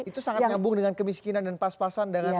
itu sangat nyambung dengan kemiskinan dan pas pasan dengan